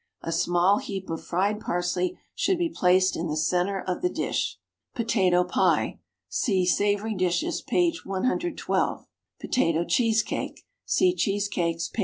A small heap of fried parsley should be placed in the centre of the dish. POTATO PIE. (See SAVOURY DISHES, p. 112.) POTATO CHEESECAKE. (See CHEESECAKES, p.